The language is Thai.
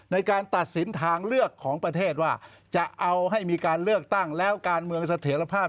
ในการตัดสินทางเลือกของประเทศว่าจะเอาให้มีการเลือกตั้งแล้วการเมืองเสถียรภาพ